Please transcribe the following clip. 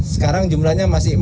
sekarang jumlahnya masih empat